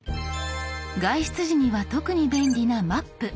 外出時には特に便利な「マップ」。